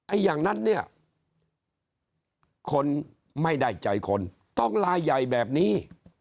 อย่างนั้นเนี่ยคนไม่ได้ใจคนต้องลายใหญ่แบบนี้